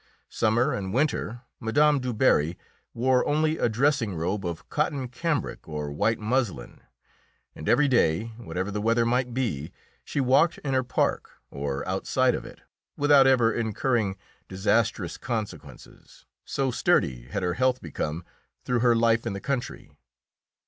Summer and winter Mme. Du Barry wore only a dressing robe of cotton cambric or white muslin, and every day, whatever the weather might be, she walked in her park, or outside of it, without ever incurring disastrous consequences, so sturdy had her health become through her life in the country.